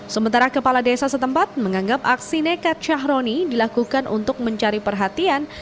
sementara kepala desa setempat menganggap aksi nekat syahroni dilakukan untuk mencari perhatian